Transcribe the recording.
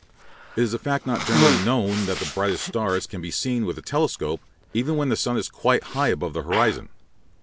It is a fact not generally known that the brighter stars can be seen with a telescope, even when the sun is quite high above the horizon.